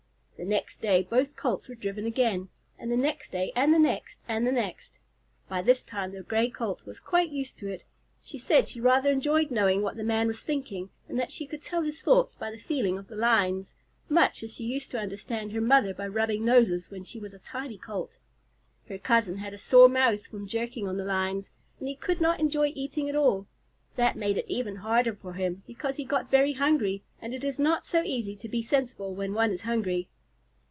The next day both Colts were driven again, and the next day, and the next, and the next. By this time the Gray Colt was quite used to it. She said she rather enjoyed knowing what the man was thinking, and that she could tell his thoughts by the feeling of the lines, much as she used to understand her mother by rubbing noses when she was a tiny Colt. Her cousin had a sore mouth from jerking on the lines, and he could not enjoy eating at all. That made it even harder for him, because he got very hungry, and it is not so easy to be sensible when one is hungry.